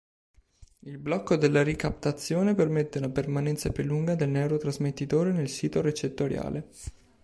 Il blocco della ricaptazione permette una permanenza più lunga del neurotrasmettitore nel sito recettoriale.